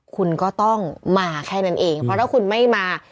คุณก็ต้องมาแค่นั้นเองเพราะถ้าคุณไม่มา